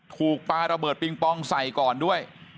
ปลาระเบิดปิงปองใส่ก่อนด้วย